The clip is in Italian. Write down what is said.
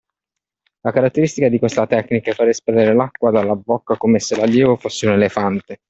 La caratteristica di questa tecnica è far espellere l’acqua dalla bocca come se l’allievo fosse un elefante.